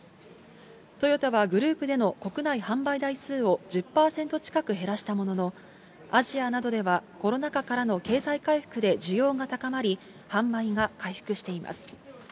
トヨタはグループでの国内販売台数を１０％近く減らしたものの、アジアなどではコロナ禍からの経済回復で需要が高まり、販売が回復しています。